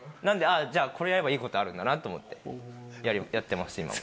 なんでこれやればいいことあるんだなと思ってやってます。